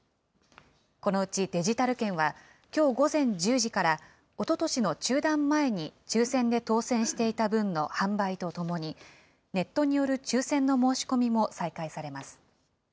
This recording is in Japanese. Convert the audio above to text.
このうちデジタル券は、きょう午前１０時から、おととしの中断前に抽せんで当せんしていた分の販売とともに、ネットによる抽せんの申し込みも再開されます。